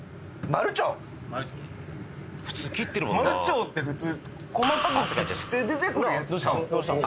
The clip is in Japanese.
マルチョウって普通細かく切って出てくるやつちゃうん？